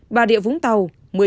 bà địa vũng tàu một mươi chín